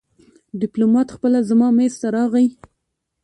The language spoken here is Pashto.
ډيپلومات خپله زما مېز ته راغی.